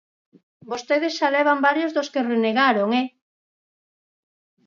Vostedes xa levan varios dos que renegaron, ¡eh!